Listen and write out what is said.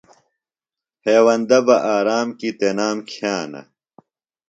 ہیوندہ بہ آرام کیۡ تنام کِھیانہ۔